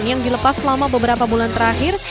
yang dilepas selama beberapa bulan terakhir